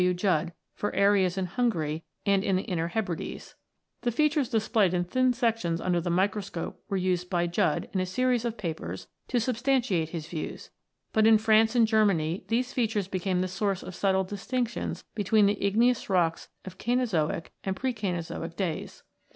W. Judd for areas in Hungary and in the Inner Hebrides. The features displayed in thin sections under the v] IGNEOUS ROCKS 105 microscope were used by Judd, in a series of papers, to substantiate his views ; but in France and Germany these features became the source of subtle distinctions between the igneous rocks of Cainozoic and pre Cainozoic days.